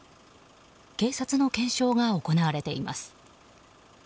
警察の検証が行われています。